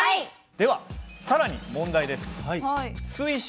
では更に問題です。